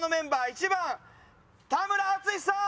１番田村淳さん！